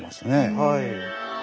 はい。